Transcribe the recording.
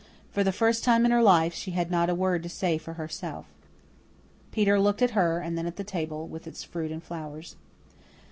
For the first time in her life she had not a word to say for herself. Peter looked at her and then at the table, with its fruit and flowers.